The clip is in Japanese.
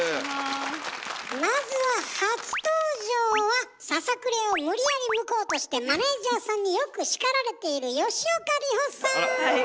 まずはささくれを無理やりむこうとしてマネージャーさんによく叱られているはい。